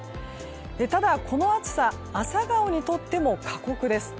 ただ、この暑さ朝顔にとっても過酷です。